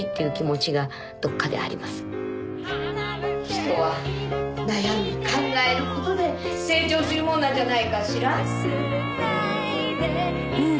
人は悩み考えることで成長するもんなんじゃないかしら。